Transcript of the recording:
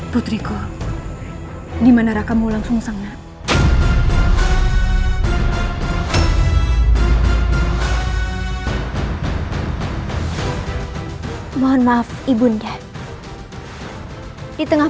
putriku di mana rakammu langsung sangat